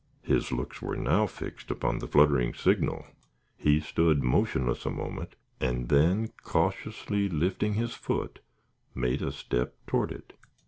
His looks were now fixed upon the fluttering signal. He stood motionless a moment, and then cautiously lifting his foot, made a step toward it.